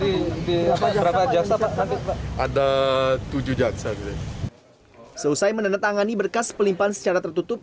di berapa jasa nanti ada tujuh jasa selesai menandatangani berkas pelimpan secara tertutup